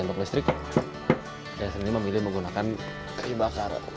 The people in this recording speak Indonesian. untuk listrik dan seni memilih menggunakan kayu bakar